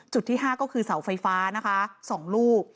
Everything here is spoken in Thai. ที่๕ก็คือเสาไฟฟ้านะคะ๒ลูก